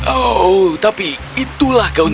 oh tapi itulah kewajiban